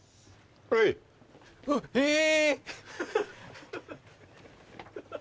はいえっ？